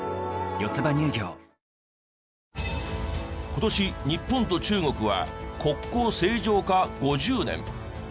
今年日本と中国は国交正常化５０年。